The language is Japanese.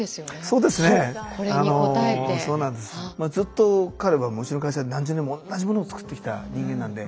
ずっと彼はうちの会社で何十年も同じものを作ってきた人間なんで。